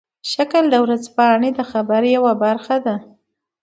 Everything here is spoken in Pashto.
شکل د ورځپاڼې د خبر یوه برخه ده.